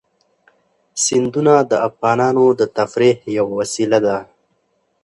سیندونه د افغانانو د تفریح یوه وسیله ده.